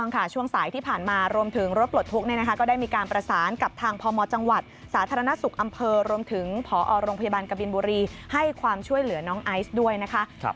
ขอโรงพยาบาลกระเบียนบุรีให้ความช่วยเหลือน้องไอซ์ด้วยนะคะ